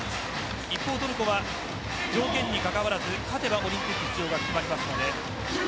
一方、トルコは条件にかかわらず勝てばオリンピックに確定となります。